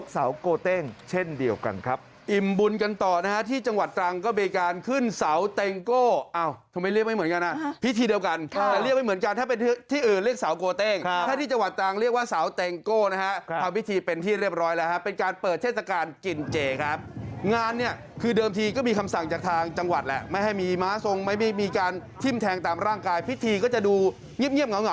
สาวเต็งโก้เอ้าทำไมเรียกไม่เหมือนกันฮะพิธีเดียวกันเรียกไม่เหมือนกันถ้าเป็นที่อื่นเรียกสาวโก้เต็งถ้าที่จังหวัดตรางเรียกว่าสาวเต็งโก้นะฮะครับพิธีเป็นที่เรียบร้อยแล้วฮะเป็นการเปิดเทศกาลกินเจครับงานเนี่ยคือเดิมทีก็มีคำสั่งจากทางจังหวัดแหละไม่ให้มีม้าทรงไม่มีมี